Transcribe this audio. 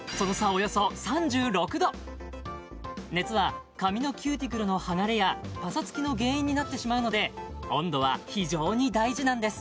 およそ３６℃熱は髪のキューティクルのはがれやぱさつきの原因になってしまうので温度は非常に大事なんです